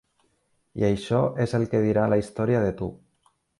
I això és el que dirà la història de tu.